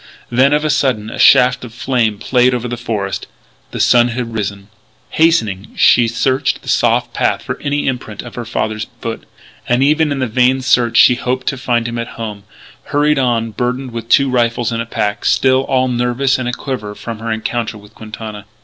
Then, of a sudden, a shaft of flame played over the forest. The sun had risen. Hastening, she searched the soft path for any imprint of her father's foot. And even in the vain search she hoped to find him at home hurried on burdened with two rifles and a pack, still all nervous and aquiver from her encounter with Quintana.